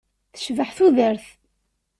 Tecbeḥ tudert.